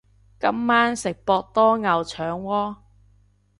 今晚食博多牛腸鍋